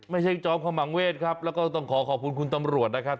จอมขมังเวทครับแล้วก็ต้องขอขอบคุณคุณตำรวจนะครับ